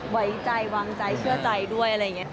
ไว้ใจวางใจเชื่อใจด้วยอะไรอย่างนี้